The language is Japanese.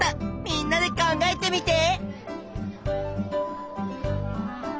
みんなで考えてみて！